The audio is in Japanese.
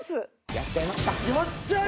やっちゃいますか！